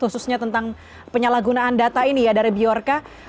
khususnya tentang penyalahgunaan data ini ya dari biorca